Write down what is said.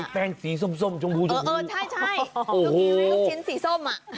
แป้งสีส้มชมพูใช่ลูกชิ้นสีส้ม